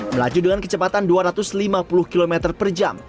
melaju dengan kecepatan dua ratus lima puluh km per jam